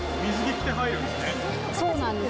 そうなんです。